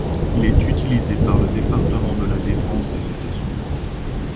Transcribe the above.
Il est utilisé par le département de la Défense des États-Unis.